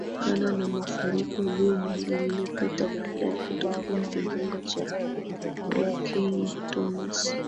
kana na mafuriko juma lililopita baada ya kutokea kimbunga cha hurricane thomas